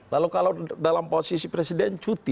lalu kalau dalam posisi presiden cuti